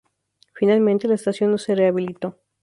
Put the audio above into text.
Finalmente la estación no se rehabilitó.